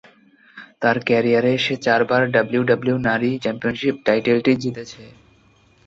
তার ক্যারিয়ারে সে চারবার ডাব্লিউডাব্লিউই নারী চ্যাম্পিয়নশীপ টাইটেলটি জিতেছে।